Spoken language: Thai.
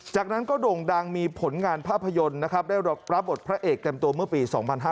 จากนั้นก็โด่งดังมีผลงานภาพยนตร์นะครับได้รับบทพระเอกเต็มตัวเมื่อปี๒๕๕๙